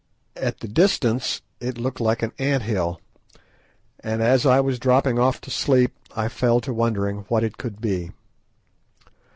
At the distance it looked like an ant hill, and as I was dropping off to sleep I fell to wondering what it could be.